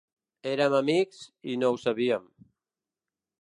Érem amics i no ho sabíem.